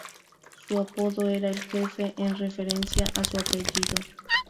Su apodo era "El Jefe", en referencia a su apellido.